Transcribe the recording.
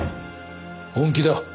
本気だ。